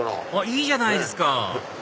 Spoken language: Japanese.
いいじゃないですか！